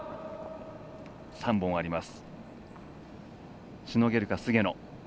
３本あります。